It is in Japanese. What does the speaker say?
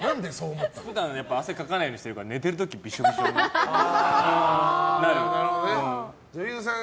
普段、汗をかかないようにしているから寝てる時びしょびしょになる。